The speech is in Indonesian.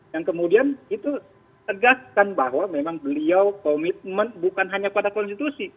yang kemudian itu tegaskan bahwa memang beliau komitmen bukan hanya pada konstitusi